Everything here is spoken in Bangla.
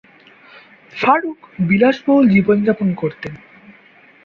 ফারুক বিলাসবহুল জীবনযাপন করতেন।